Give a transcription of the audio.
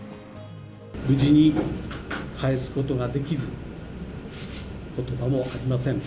無事に帰すことができず、ことばもありません。